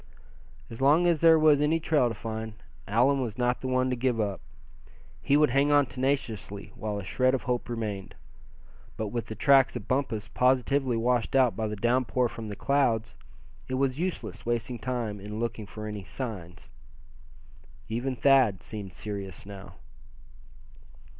As long as there was any trail to find, Allan was not the one to give up; he would hang on tenaciously while a shred of hope remained. But with the tracks of Bumpus positively washed out by the downpour from the clouds, it was useless wasting time in looking for any "signs." Even Thad seemed serious now.